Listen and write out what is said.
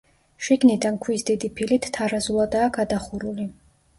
შიგნიდან ქვის დიდი ფილით თარაზულადაა გადახურული.